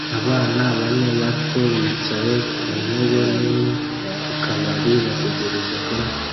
Abana bane bato bicaye ku ntebe nini ku kabari bategereje kunywa